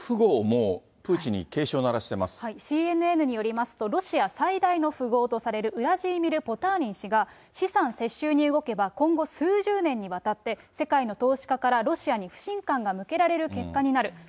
ＣＮＮによりますと、ロシア最大の富豪とされる、ウラジーミル・ポターニン氏が、資産接収に動けば、今後数十年にわたって、世界の投資家からロシアに不信感が向けられる結果になる。